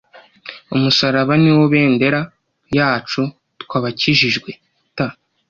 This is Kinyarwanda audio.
umusaraba ni wo bendera yacu tw' abakijijwe!t